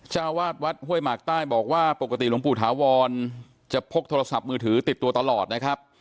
เจ้าวาดวัดห้วยหมากใต้บอกว่าปกติหลวงปู่ถาวรจะพกโทรศัพท์มือถือติดตัวตลอดนะครับ